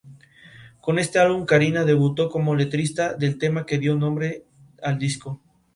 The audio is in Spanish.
Con este álbum, Karina debutó como letrista del tema que dio nombre al disco.